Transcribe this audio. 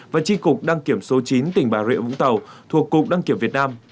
và tri cục đăng kiểm số chín tỉnh bà rịa vũng tàu thuộc cục đăng kiểm việt nam